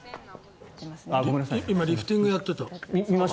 今リフティングやってた。